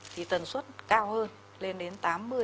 thì tần suất cao hơn lên đến